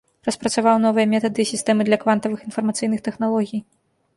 Распрацаваў новыя метады і сістэмы для квантавых інфармацыйных тэхналогій.